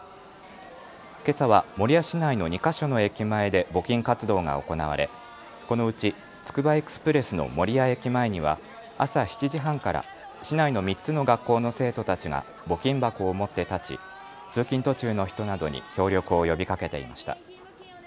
けさは守谷市内の２か所の駅前で募金活動が行われこのうち、つくばエクスプレスの守谷駅前には朝７時半から市内の３つの学校の生徒たちが募金箱を持って立ち通勤途中の人などに協力を呼びかけていました。